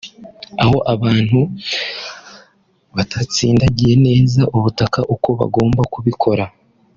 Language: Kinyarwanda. aho abantu batatsindagiye neza ubutaka uko bagombaga kubikora